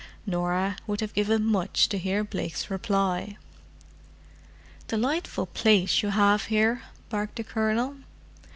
Norah would have given much to hear Blake's reply. "Delightful place you have here!" barked the Colonel.